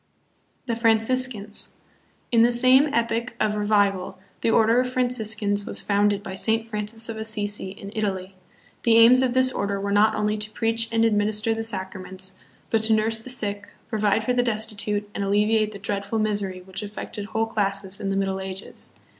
The Franciscans. In the same epoch of revival, the Order of Franciscans was founded by Saint Francis of Assisi in Italy. The aims of this order were not only to preach and administer the sacraments, but to nurse the sick, provide for the destitute, and alleviate the dreadful misery which affected whole classes in the Middle Ages.